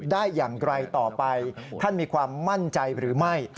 ได้อย่างไกลต่อไปท่านมีความมั่นใจหรือไม่